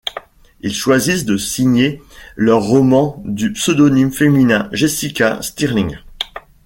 Ils choisissent de signer leurs romans du pseudonyme féminin Jessica Stirling.